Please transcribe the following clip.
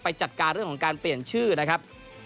จัดการเรื่องของการเปลี่ยนชื่อนะครับ